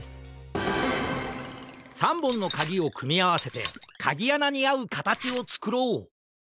３ぼんのかぎをくみあわせてかぎあなにあうかたちをつくろう！